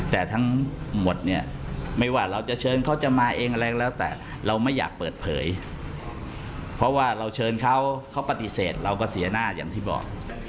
แต่ทั้งหมดเนี่ยไม่ว่าเราจะเชิญเขาจะมาเองอะไรก็แล้วแต่เราไม่อยากเปิดเผยเพราะว่าเราเชิญเขาเขาปฏิเสธเราก็เสียหน้าอย่างที่บอก